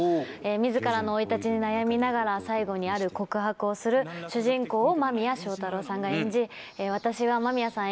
自らの生い立ちに悩みながら最後にある告白をする主人公を間宮祥太朗さんが演じ私は間宮さん